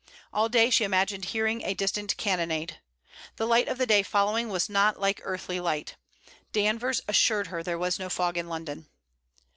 All day she imagined hearing a distant cannonade. The light of the day following was not like earthly light. Danvers assured her there was no fog in London.